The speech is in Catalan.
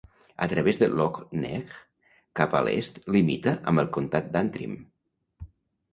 A través de Lough Neagh cap a l'est, limita amb el comtat d'Antrim.